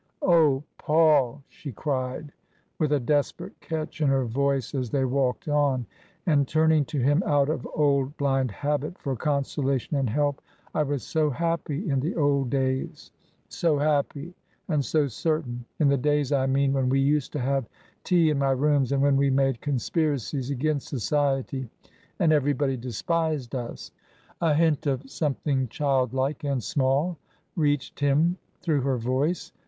" Oh, Paul," she cried, with a desperate catch in her voice as they walked on, and turning to him out of old blind habit for consolation and help, " I was so happy in the old days — so happy and so certain ! In the days I mean when we used to have tea in my rooms, and when we made conspiracies against Society, and everybody despised us !" A hint of something childlike and small reached him through her voice.